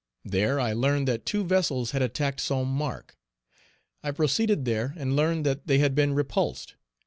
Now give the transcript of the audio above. There I learned that two vessels had attacked St. Marc; I proceeded there and learned that they had been repulsed.